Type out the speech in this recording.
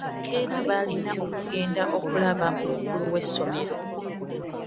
Enkeera baalina okugenda okulaba omukulu w'essomero.